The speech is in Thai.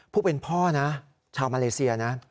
ผู้เป็นพ่อนะชาวมาเลเซียนะ